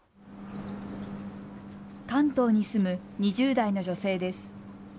関東に住む２０代の女性です。